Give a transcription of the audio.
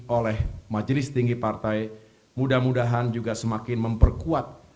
oleh majelis tinggi partai mudah mudahan juga semakin memperkuat